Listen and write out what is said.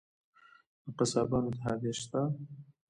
د قصابانو اتحادیه شته؟